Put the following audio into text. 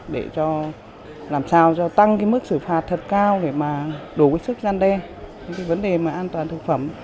để làm sao tăng mức sửa phạt thật cao để đủ sức gian đe vấn đề an toàn thực phẩm